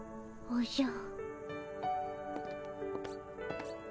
おじゃ。